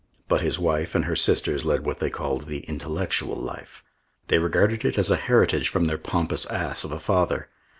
But his wife and her sisters led what they called the intellectual life. They regarded it as a heritage from their pompous ass of a father.